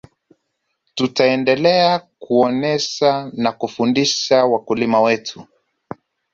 tutaendelea kuonesha na kufundisha wakulima wetu